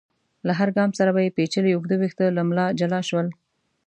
له هر ګام سره به يې پيچلي اوږده ويښته له ملا جلا شول.